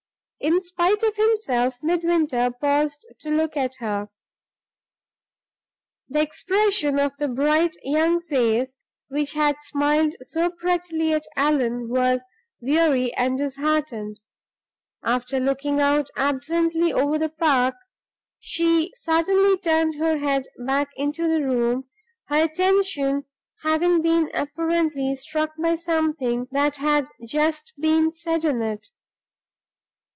In spite of himself, Midwinter paused to look at her. The expression of the bright young face, which had smiled so prettily on Allan, was weary and disheartened. After looking out absently over the park, she suddenly turned her head back into the room, her attention having been apparently struck by something that had just been said in it.